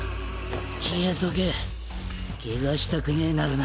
消えとけケガしたくねえならな。